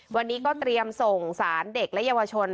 วันนี้ก็เตรียมส่งสารเด็กและเยาวชน